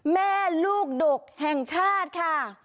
แม่ลูกดกแห่งชาติค่ะ